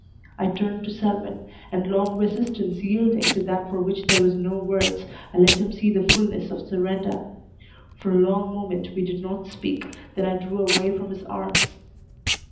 I turned to Selwyn, and long resistance yielding to that for which there was no words, I let him see the fulness of surrender. For a long moment we did not speak, then I drew away from his arms.